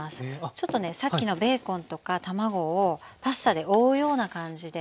ちょっとねさっきのベーコンとか卵をパスタで覆うような感じで。